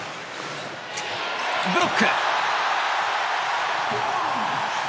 ブロック！